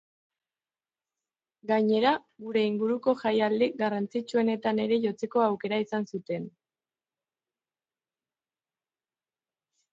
Gainera, gure inguruko jaialdi garrantzitsuenetan ere jotzeko auekra izan zuten.